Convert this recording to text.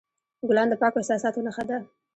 ګلان د پاکو احساساتو نښه ده.